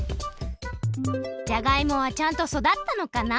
じゃがいもはちゃんと育ったのかな？